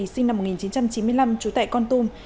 sinh năm một nghìn chín trăm chín mươi năm chú tệ con tum